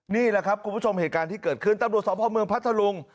นี่แหละครับคุณผู้ชมเหตุการณ์ที่เกิดขึ้นตำรวจสอบพ่อเมืองพัทธลุง